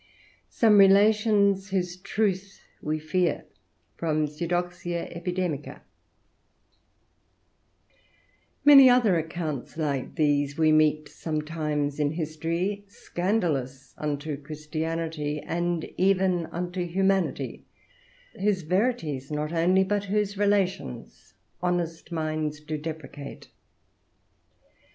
SOME RELATIONS WHOSE TRUTH WE FEAR From 'Pseudoxia Epidemica' Many other accounts like these we meet sometimes in history, scandalous unto Christianity, and even unto humanity; whose verities not only, but whose relations, honest minds do deprecate.